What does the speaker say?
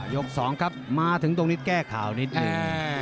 ๒ครับมาถึงตรงนี้แก้ข่าวนิดนึง